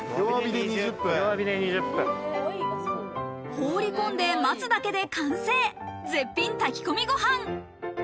放り込んで待つだけで完成、絶品炊き込みご飯。